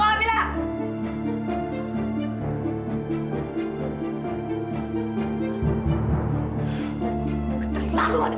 masuk mama bilang